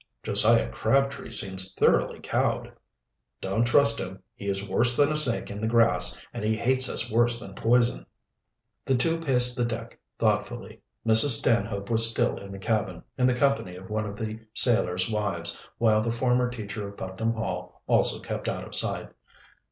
"Josiah Crabtree seems thoroughly cowed." "Don't trust him. He is worse than a snake in the grass and he hates us worse than poison." The two paced the deck thoughtfully. Mrs. Stanhope was still in the cabin, in the company of one of the sailors' wives, while the former teacher of Putnam Hall also kept out of sight.